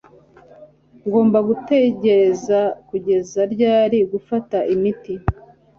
ngomba gutegereza kugeza ryari gufata imiti